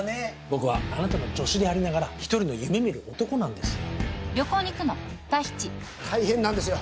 僕はあなたの助手でありながら１人の夢見る男なんですよ。大変なんですよ。